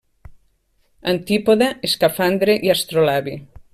Antípoda, Escafandre i Astrolabi.